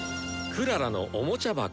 「クララのおもちゃ箱」。